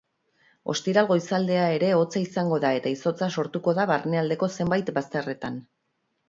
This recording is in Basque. Ostiral goizaldea ere hotza izango da eta izotza sortuko da barnealdeko zenbait bazterretan.